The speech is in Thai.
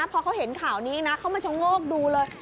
พอเขาเห็นข่าวนี้นะเขามาชะโงกดูเลย